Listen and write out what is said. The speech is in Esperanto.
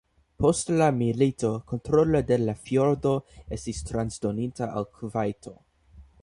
Post la milito kontrolo de la fjordo estis transdonita al Kuvajto.